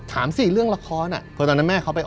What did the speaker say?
ถามสิเรื่องละครน่ะ